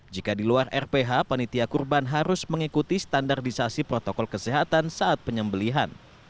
jika di luar rph penitia kurban harus mengikuti standardisasi protokol kesehatan saat penyembelian